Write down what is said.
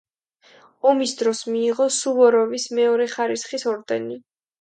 ომის დროს მიიღო სუვოროვის მეორე ხარისხის ორდენი.